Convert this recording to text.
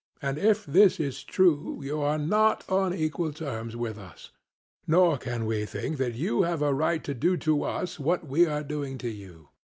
And if this is true you are not on equal terms with us; nor can you think that you have a right to do to us what we are doing to you.